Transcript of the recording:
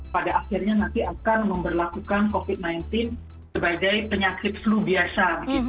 pada akhirnya nanti akan memperlakukan covid sembilan belas sebagai penyakit flu biasa